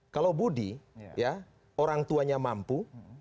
kalau budi orang tuanya mampu